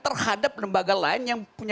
asal asal bundusulnya begitu kok